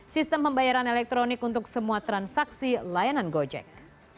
sistem pembayaran elektronik untuk semua transaksi layanan gojek